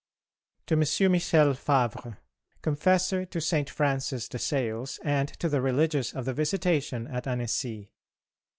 XXVIII. _To M. Michel Favre, Confessor to St. Francis de Sales, and to the Religious of the Visitation at Annecy.